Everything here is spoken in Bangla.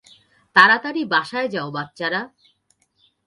তাড়াতাড়ি বাসায় যাও, বাচ্চারা।